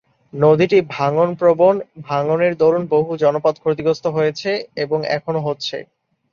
নদীটি ভাঙন প্রবণ, ভাঙনের দরুন বহু জনপদ ক্ষতিগ্রস্ত হয়েছে এবং এখনও হচ্ছে।